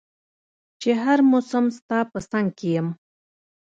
چي هر مسم ستا په څنګ کي يم